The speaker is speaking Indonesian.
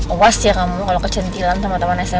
awas ya kamu kalau kecantilan sama temen smp